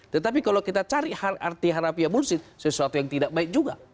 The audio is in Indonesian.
tetapi kalau kita cari arti harafia mursi sesuatu yang tidak baik juga